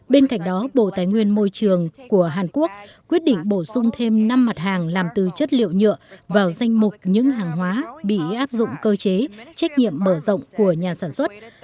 bên cạnh đó bộ tài nguyên môi trường của hàn quốc quyết định bổ sung thêm năm mặt hàng làm từ chất liệu nhựa vào danh mục những hàng hóa bị áp dụng cơ chế trách nhiệm mở rộng của nhà sản xuất